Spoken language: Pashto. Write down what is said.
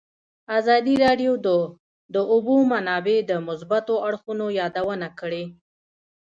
ازادي راډیو د د اوبو منابع د مثبتو اړخونو یادونه کړې.